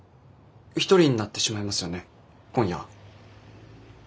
一人になってしまいますよね今夜。